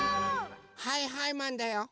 はいはいマンだよ！